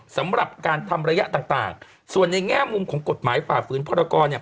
สำหรับการทำระยะต่างส่วนในแง่มุมของกฎหมายฝ่าฝืนพรกรเนี่ย